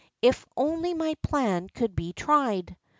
If only my plan could be tried